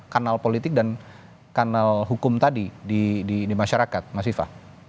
kanal politik dan kanal hukum tadi di masyarakat mas viva